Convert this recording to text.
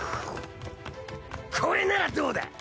これならどうだ！